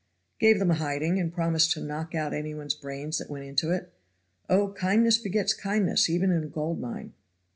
"Gave them a hiding, and promised to knock out any one's brains that went into it. Oh! kindness begets kindness, even in a gold mine."